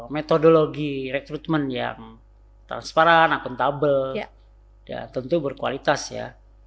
metodologi rekrutmen yang transparan akuntabel ya tentu berkualitas ya